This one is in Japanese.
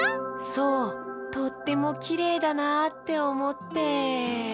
そうとってもきれいだなっておもって。